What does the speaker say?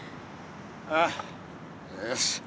ああよし。